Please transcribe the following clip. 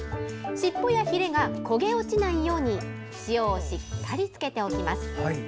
尻尾やひれが焦げ落ちないように塩をしっかりつけておきます。